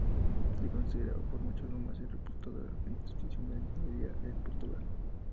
Es considerada por muchos la más reputada institución de ingeniería en Portugal.